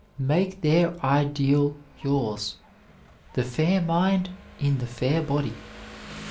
Make their ideal yours the fair mind in the fair body.